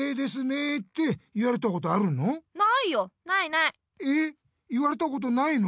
えっ言われたことないの？